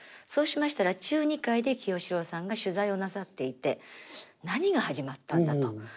そうしましたら中２階で清志郎さんが取材をなさっていて「何が始まったんだ？」と。